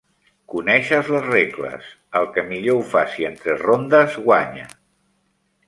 Coneixes les regles, el que millor ho faci en tres rondes guanya.